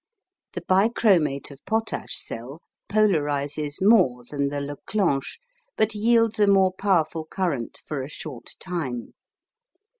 The Bichromate of Potash cell polarises more than the Leclanche, but yields a more powerful current for a short time.